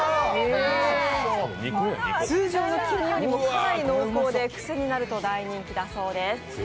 通常の黄身よりもかなり濃厚で、クセになると、大人気なんです。